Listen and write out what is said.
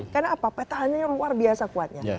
karena apa petanya yang luar biasa kuatnya